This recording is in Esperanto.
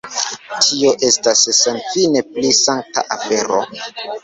Tio estas senfine pli sankta afero.